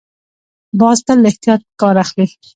باز تل له احتیاط کار اخلي